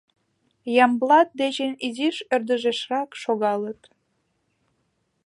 Ямблат дечын изиш ӧрдыжешрак шогалыт.